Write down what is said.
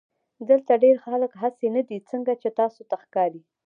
دلته ډېر خلک هغسې نۀ دي څنګه چې تاسو ته ښکاري